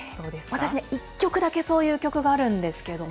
私ね、１曲だけそういう曲があるんですけれども。